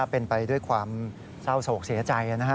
เป็นไปด้วยความเศร้าโศกเสียใจนะฮะ